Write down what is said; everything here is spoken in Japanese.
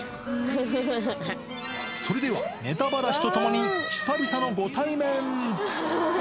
それでは、ねたばらしとともに、久々のご対面。